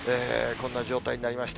こんな状態になりました。